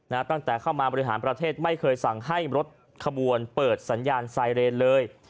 ตั้งแต่เข้ามาบริหารประเทศไม่เคยสั่งให้รถขบวนเปิดสัญญาณไซเรนเลย